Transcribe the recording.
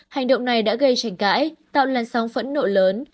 hành động này đã gây tranh cãi tạo làn sóng phẫn nộ lớn